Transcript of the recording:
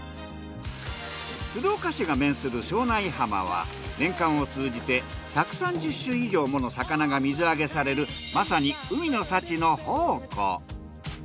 鶴岡市が面する庄内浜は年間を通じて１３０種以上もの魚が水揚げされるまさに海の幸の宝庫。